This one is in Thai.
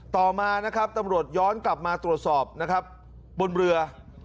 ต่อมานะครับตำรวจย้อนกลับมาตรวจสอบนะครับบนเรือ